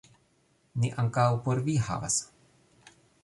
Ni ankaŭ por vi havas